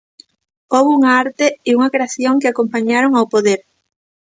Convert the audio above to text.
Houbo unha arte e unha creación que acompañaron ao poder.